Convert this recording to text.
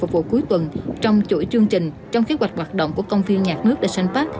vụ cuối tuần trong chuỗi chương trình trong kế hoạch hoạt động của công ty nhạc nước the sun park